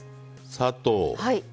砂糖。